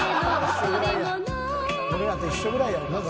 僕らと一緒ぐらいやんな。